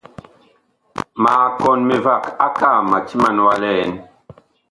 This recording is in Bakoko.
Ma kɔn mivag akaa ma timan wa li ɛn.